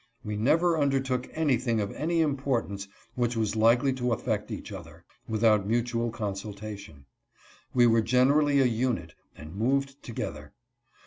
We never undertook anything of any importance which was likely to affect each other, without mutual con sultation. We were generally a unit, and moved together.